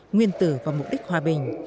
nguyên tử và mục đích hòa bình